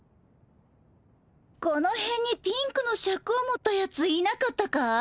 このへんにピンクのシャクを持ったやついなかったかい？